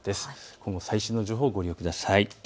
今後、最新の情報をご利用ください。